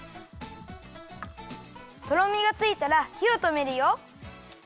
とろみがついたらひをとめるよ。